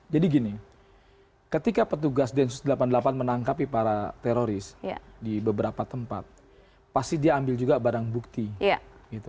jadi gini ketika petugas densus delapan puluh delapan menangkapi para teroris di beberapa tempat pasti dia ambil juga barang bukti